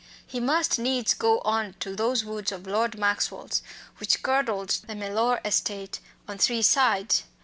He must needs go on to those woods of Lord Maxwell's, which girdled the Mellor estate on three sides.